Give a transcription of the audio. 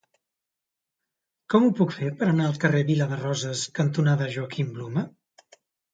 Com ho puc fer per anar al carrer Vila de Roses cantonada Joaquim Blume?